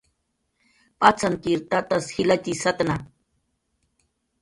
Patzankir tatas jilatxi satna.